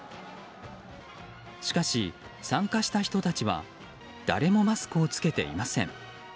しかし、参加した人たちは誰もマスクを着けていません。